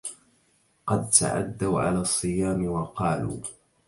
قد تعدوا على الصيام وقالوا